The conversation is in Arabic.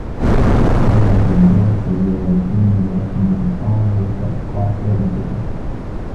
يذهب الرجال وياتون لكن الارض تبقى ثابتة